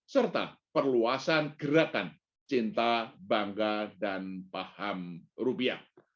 serta perluasan gerakan cinta bangga dan paham rupiah